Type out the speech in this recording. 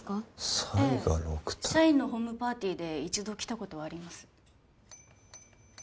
サイが６体社員のホームパーティーで一度来たことはあります